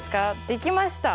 できました！